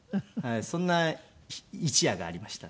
そんな一夜がありましたね。